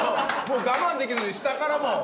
もう我慢できずに下からもう。